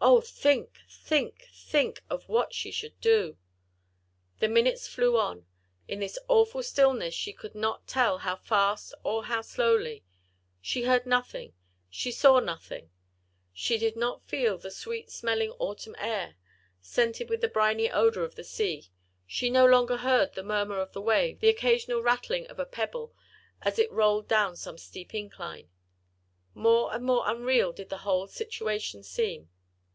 Oh! think! think! think! of what she should do. The minutes flew on; in this awful stillness she could not tell how fast or how slowly; she heard nothing, she saw nothing: she did not feel the sweet smelling autumn air, scented with the briny odour of the sea, she no longer heard the murmur of the waves, the occasional rattling of a pebble, as it rolled down some steep incline. More and more unreal did the whole situation seem.